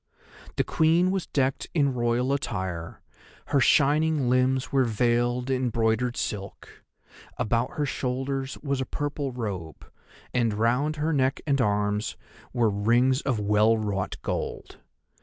The Queen was decked in Royal attire, her shining limbs were veiled in broidered silk; about her shoulders was a purple robe, and round her neck and arms were rings of well wrought gold.